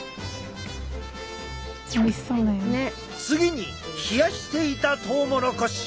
次に冷やしていたトウモロコシ。